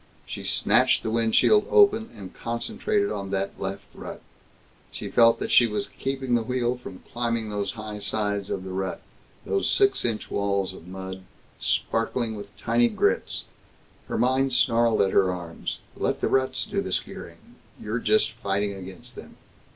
She snatched the windshield open, and concentrated on that left rut. She felt that she was keeping the wheel from climbing those high sides of the rut, those six inch walls of mud, sparkling with tiny grits. Her mind snarled at her arms, "Let the ruts do the steering. You're just fighting against them."